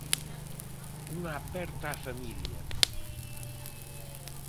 Unha aperta á familia.